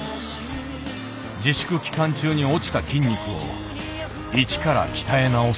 自粛期間中に落ちた筋肉を一から鍛え直す。